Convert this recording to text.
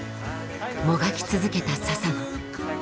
もがき続けた佐々野。